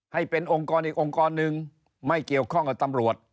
ให้เป็นองค์กรอีกองค์กรหนึ่งไม่เกี่ยวข้องกับตำรวจ